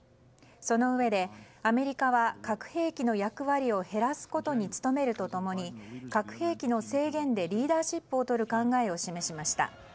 そのうえで、アメリカは核兵器の役割を減らすことに務めると共に、核兵器の制限でリーダーシップをとる考えを示しました。